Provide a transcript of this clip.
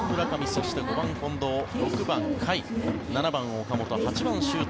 そして５番、近藤６番、甲斐７番、岡本８番、周東。